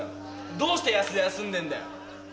どうして安田休んでんだよ？